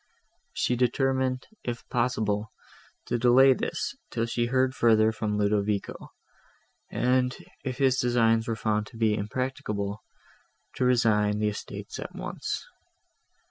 She determined, if possible, to delay this, till she heard further from Ludovico, and, if his designs were found to be impracticable, to resign the estates at once.